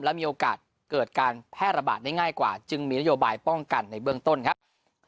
และมีโอกาสเกิดการแพร่ระบาดได้ง่ายกว่าจึงมีนโยบายป้องกันในเบื้องต้นครับ